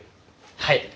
はい！